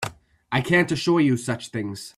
I can't assure you such things.